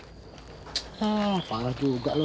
ah parah juga lu